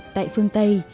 tại phương tây